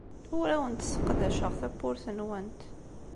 Ur awent-sseqdaceɣ tawwurt-nwent.